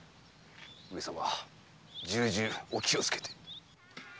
上様重々お気をつけて！